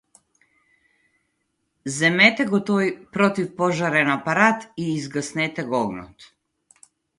Земете го тој противпожарен апарат и изгаснете го огнот!